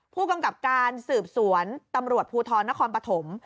ผู้กำกับการสืบสวนตำรวจภูทรนครปฐม